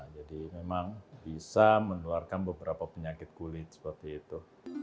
jadi memang bisa meneluarkan beberapa penyakit kulit seperti itu